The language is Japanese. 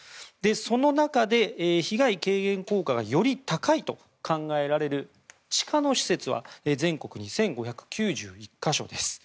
その中で被害軽減効果がより高いと考えられる地下の施設は全国に１５９１か所です。